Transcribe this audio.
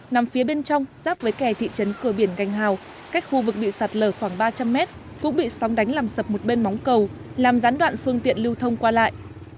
nằm phía bên trong giáp với kè thị trấn cửa biển gành hào cách khu vực bị sạt lở khoảng ba trăm linh mét cũng bị sóng đánh làm sập một bên móng cầu làm gián đoạn phương tiện lưu thông qua lại